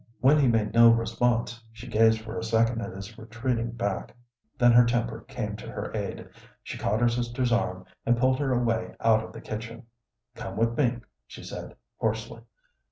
When he made no response, she gazed for a second at his retreating back, then her temper came to her aid. She caught her sister's arm, and pulled her away out of the kitchen. "Come with me," she said, hoarsely.